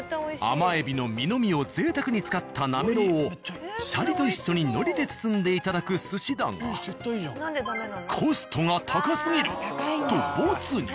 甘えびの身のみを贅沢に使ったなめろうをシャリと一緒にのりで包んでいただく寿司だがコストが高すぎるとボツに。